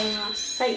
はい。